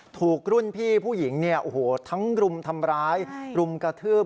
ถูกรุ่นพี่ผู้หญิงทั้งรุมทำร้ายรุมกระทืบ